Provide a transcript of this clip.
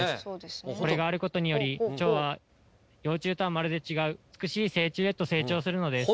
これがあることにより蝶は幼虫とはまるで違う美しい成虫へと成長するのです。